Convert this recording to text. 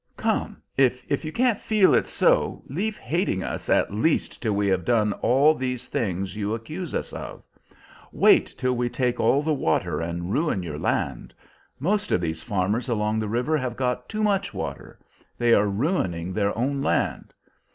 "Come, if you can't feel it's so, leave hating us at least till we have done all these things you accuse us of. Wait till we take all the water and ruin your land. Most of these farmers along the river have got too much water; they are ruining their own land.